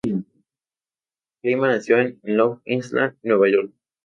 Kleiman nació en Long Island, Nueva York.